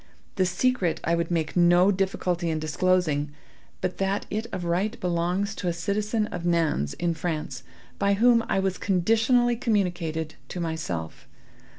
The secret I would make no difficulty in disclosing, but that it of right belongs to a citizen of Nantz, in France, by whom it was conditionally communicated to myself.